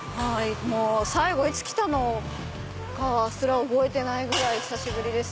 最後いつ来たのかすら覚えてないぐらい久しぶりです。